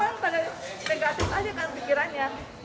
orang pada negatif aja kan pikirannya